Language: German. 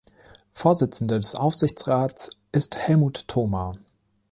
Vorsitzender des Aufsichtsrats ist Helmut Thoma.